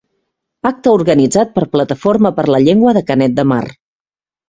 Acte organitzat per Plataforma per la Llengua de Canet de Mar.